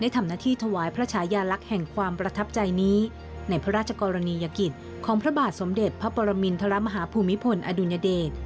ทุกวันนี้ในพระราชกรณียกิจของพระบาทสมเด็จพระปรมินทรมาฮภูมิพลอดุญเดช